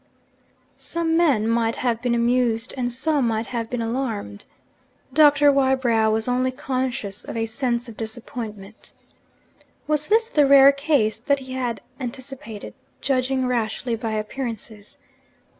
Some men might have been amused, and some might have been alarmed. Doctor Wybrow was only conscious of a sense of disappointment. Was this the rare case that he had anticipated, judging rashly by appearances?